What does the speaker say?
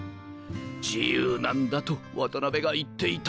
自由なんだと渡辺が言っていた。